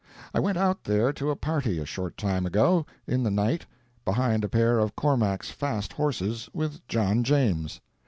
I went out there to a party a short time ago, in the night, behind a pair of Cormack's fast horses, with John James.